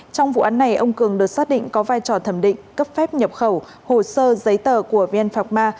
trong vụ án này ông cường được xác định có vai trò thẩm định cấp phép nhập khẩu hồ sơ giấy tờ của vn phạc ma